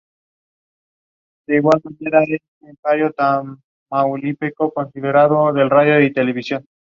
Curso filosofía, cánones y leyes.